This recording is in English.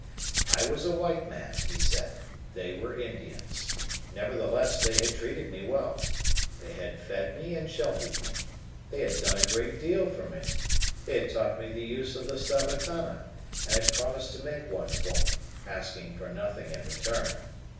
I was a white man, he said, they were Indians; nevertheless they had treated me well. They had fed me and sheltered me. They had done a great deal for me: they had taught me the use of the zabatana, and had promised to make one for me, asking for nothing in return.